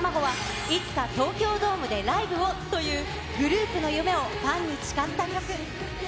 今夜披露する約束の卵は、いつか東京ドームでライブをという、グループの夢をファンに誓った曲。